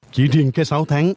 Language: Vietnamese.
chỉ riêng cái sáu tháng